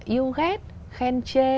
yêu ghét khen chê